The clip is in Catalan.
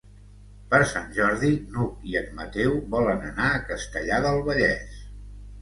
Per Sant Jordi n'Hug i en Mateu volen anar a Castellar del Vallès.